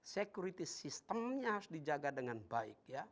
security systemnya harus dijaga dengan baik ya